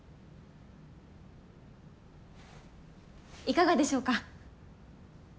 いかがでしょうか？